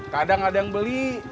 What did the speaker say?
kadang ada yang beli